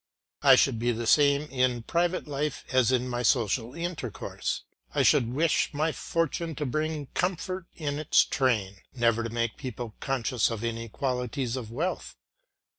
I should be the same in private life as in my social intercourse. I should wish my fortune to bring comfort in its train, and never to make people conscious of inequalities of wealth.